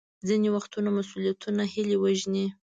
ځینې وختونه مسوولیتونه هیلې وژني.